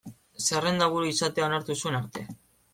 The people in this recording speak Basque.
Zerrendaburu izatea onartu zuen arte.